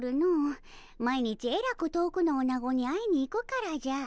毎日えらく遠くのおなごに会いに行くからじゃ。